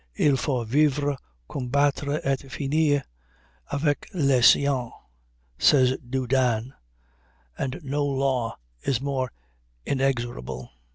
"Il faut vivre, combattre, et finir avec les siens," says Doudan, and no law is more inexorable.